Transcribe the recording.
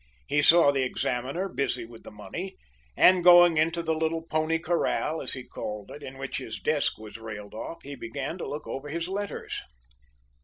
He saw the examiner busy with the money, and, going into the little "pony corral," as he called it, in which his desk was railed off, he began to look over his letters.